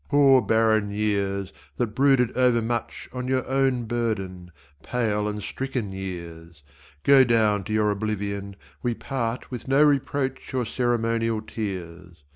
Poor barren years that brooded over much On your own burden, pale and stricken years Go down to your oblivion, we part With no reproach or ceremonial tears.